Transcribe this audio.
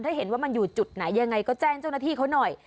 ถ้าเห็นว่ามันอยู่จุดไหนยังไงก็แจ้งเจ้าหน้าที่เขาหน่อย